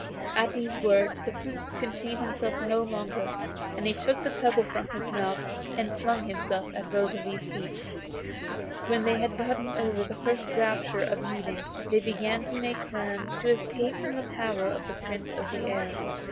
At these words the Prince could contain himself no longer. He took the pebble from his mouth, and flung himself at Rosalie's feet. When they had got over the first rapture of meeting they began to make plans to escape from the power of the Prince of the Air.